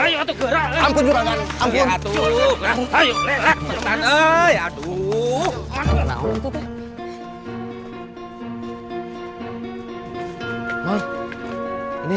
masih saja omong besar